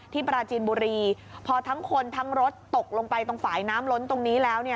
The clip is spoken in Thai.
ปราจีนบุรีพอทั้งคนทั้งรถตกลงไปตรงฝ่ายน้ำล้นตรงนี้แล้วเนี่ย